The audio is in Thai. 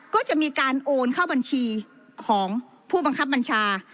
ก็จะมีการโอนเข้าบัญชีของผู้บังคับบัญชา